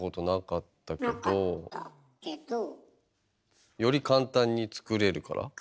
なかったけど？より簡単に作れるから？